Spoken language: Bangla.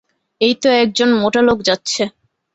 এই তো এক জন মোটা লোক যাচ্ছে।